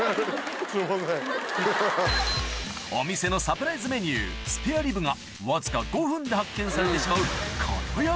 お店のサプライズメニュースペアリブがわずか５分で発見されてしまう